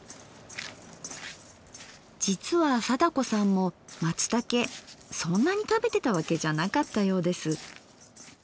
実は貞子さんも松茸そんなに食べてたわけじゃなかったようです。